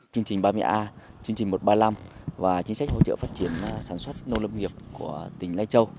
chương trình ba mươi a chương trình một trăm ba mươi năm và chính sách hỗ trợ phát triển sản xuất nông lâm nghiệp của tỉnh lai châu